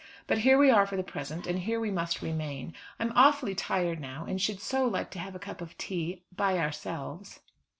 But here we are for the present, and here we must remain. I am awfully tired now, and should so like to have a cup of tea by ourselves."